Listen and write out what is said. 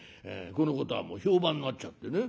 このことはもう評判になっちゃってね